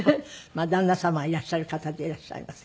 旦那様いらっしゃる方でいらっしゃいます。